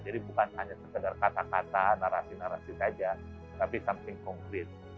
jadi bukan hanya sekedar kata kata narasi narasi saja tapi something concrete